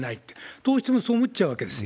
どうしてもそう思っちゃうわけですよ。